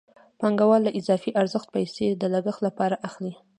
پانګوال له اضافي ارزښت پیسې د لګښت لپاره اخلي